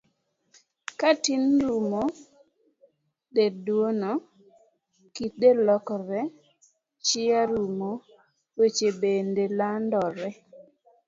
Ka tin orumo, del duono, kit del lokore, chia rumo, weche bende radore.